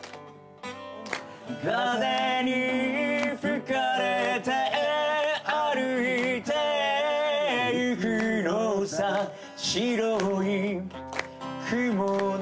「風に吹かれて歩いてゆくのさ白い雲のように」